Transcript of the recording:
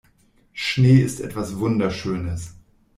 Schnee ist etwas Wunderschönes.